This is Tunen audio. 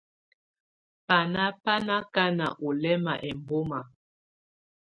Bana bà nɔ̀ akana ɔ̀ lɛma ɛmbɔma.